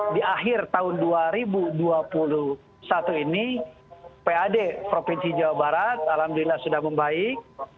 di akhir tahun dua ribu dua puluh satu ini pad provinsi jawa barat alhamdulillah sudah membaik